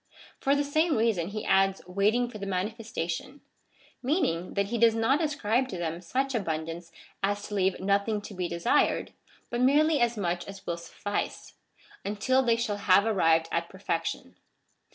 For the same reason he adds: waiting for the manifestation, meaning, that he does not ascribe to them such abundance as to leave nothing to be desired ; but merely as much as will suffice, until they shall have arrived at perfection.